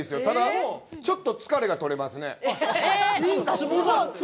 ただ、ちょっと疲れが取れますね。